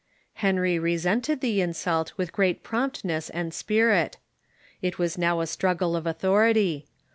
Henry resented the insult with great promptness and spirit. It Avas now a strug gle of authority.